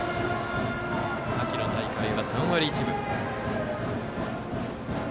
秋の大会は３割１分。